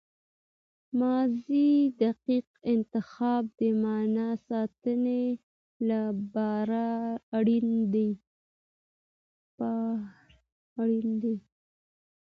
ماضي دقیق انتخاب د معنی ساتني له پاره اړین دئ.